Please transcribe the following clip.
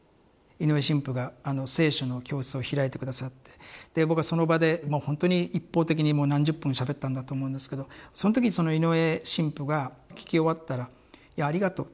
井上神父が「聖書」の教室を開いて下さって僕はその場で本当に一方的に何十分もしゃべったんだと思うんですけどその時に井上神父が聴き終わったら「いやありがとう。